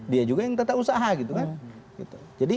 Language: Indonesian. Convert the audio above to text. dia juga yang tata usaha gitu kan